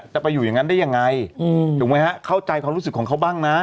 ไปอยู่อย่างนั้นได้ยังไงถูกไหมฮะเข้าใจความรู้สึกของเขาบ้างนะ